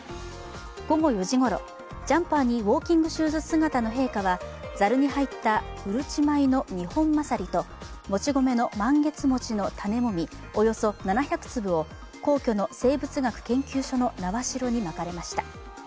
午後４時ごろ、ジャンパーにウオーキングシューズ姿の陛下はざるに入ったうるち米のニホンマサリと餅米のマンゲツモチの種もみ、およそ７００粒を皇居の生物学研究所の苗代にまかれました。